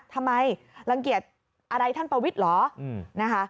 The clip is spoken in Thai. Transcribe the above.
ทำไมลังเกียจอะไรท่านประวิทธิ์เหรอ